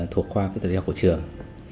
thuộc khoa học của trường